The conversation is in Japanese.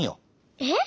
えっ？